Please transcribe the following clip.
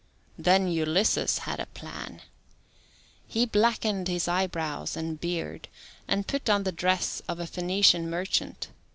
Then Ulysses had a plan. He blackened his eyebrows and beard and put on the dress of a Phoenician merchant.